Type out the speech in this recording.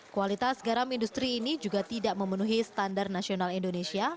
kualitas garam industri ini juga tidak memenuhi standar nasional indonesia